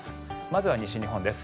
まずは西日本です。